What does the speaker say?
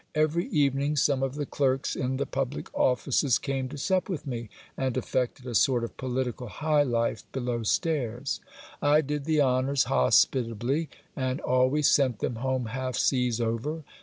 Every evening some of the clerks in the public offices came to sup with me, and affected a sort of political high life be low stairs. I did the honours hospitably, and always sent them home half seas over.